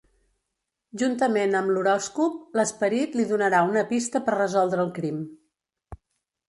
Juntament amb l'horòscop, l'esperit li donarà una pista per resoldre el crim.